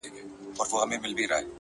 د ميني داغ ونه رسېدی!